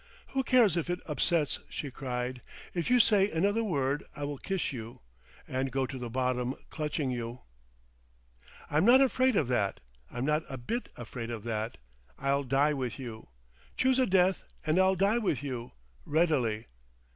"Who cares if it upsets?" she cried. "If you say another word I will kiss you. And go to the bottom clutching you. "I'm not afraid of that. I'm not a bit afraid of that. I'll die with you. Choose a death, and I'll die with you—readily.